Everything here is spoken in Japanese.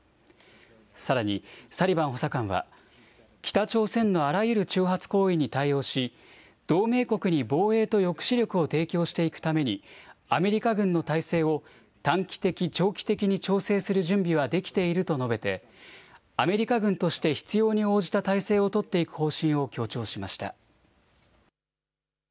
さらにサリバン補佐官は北朝鮮のあらゆる挑発行為に対応し同盟国に防衛と抑止力を提供していくためにアメリカ軍の態勢を短期的、長期的に調整する準備はできていると述べてアメリカ軍として必要に応じた態勢を取っていく方針を強調しました。